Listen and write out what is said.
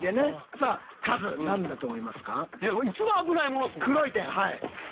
さあカズ何だと思いますか？